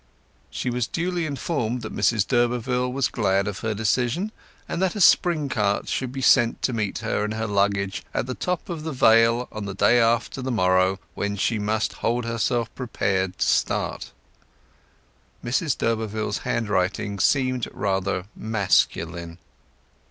She was duly informed that Mrs d'Urberville was glad of her decision, and that a spring cart should be sent to meet her and her luggage at the top of the Vale on the day after the morrow, when she must hold herself prepared to start. Mrs d'Urberville's handwriting seemed rather masculine.